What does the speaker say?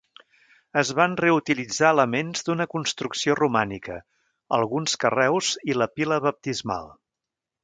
Es van reutilitzar elements d'una construcció romànica, alguns carreus i la pila baptismal.